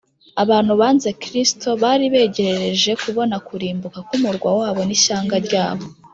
abantu banze kristo, bari begerereje kubona kurimbuka k’umurwa wabo n’ishyanga ryabo